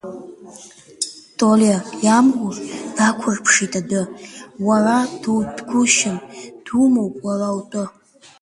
Толиа, иамур, дықәурԥшит адәы, уара дутәгәышьн, думоуп уара утәы!